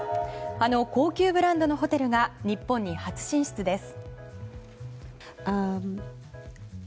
あの高級ブランドのホテルが日本に初進出です。